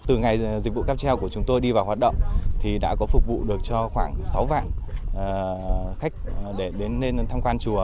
từ ngày dịch vụ cáp treo của chúng tôi đi vào hoạt động thì đã có phục vụ được cho khoảng sáu vạn khách để đến tham quan chùa